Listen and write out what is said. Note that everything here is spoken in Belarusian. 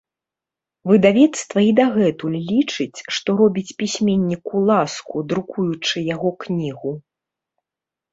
Выдавецтва і дагэтуль лічыць, што робіць пісьменніку ласку, друкуючы яго кнігу.